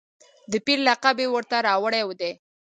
د پیر لقب یې ورته راوړی دی.